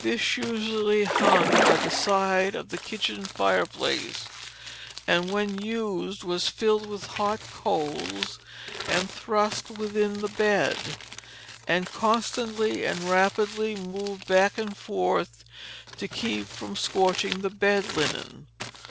This usually hung by the side of the kitchen fireplace, and when used was filled with hot coals, and thrust within the bed, and constantly and rapidly moved back and forth to keep from scorching the bed linen.